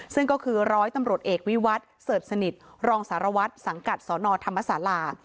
ซึ่งก็คือร้อยตำรวจเอกวิวัตรเสิร์ชสนิทรองสารวัตรสังกัดสนธรรมศาลา